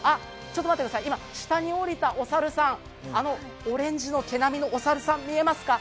ちょっと待ってください、下に降りたお猿さん、あのオレンジの毛並みのお猿さん、見えますか？